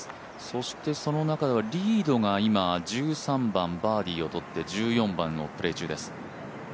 そしてその中でリードが今１３番、バーディーを取って１４番のプレー宙です。